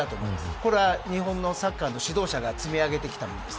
これは日本のサッカーの指導者が積み上げてきたものです。